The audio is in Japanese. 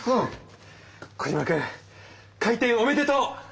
コジマくん開店おめでとう！